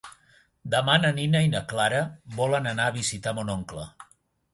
Demà na Nina i na Clara volen anar a visitar mon oncle.